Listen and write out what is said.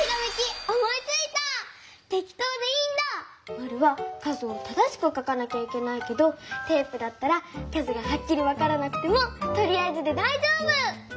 丸は数を正しく書かなきゃいけないけどテープだったら数がはっきりわからなくてもとりあえずでだいじょうぶ！